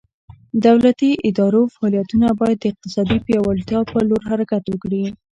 د دولتي ادارو فعالیتونه باید د اقتصادي پیاوړتیا په لور حرکت وکړي.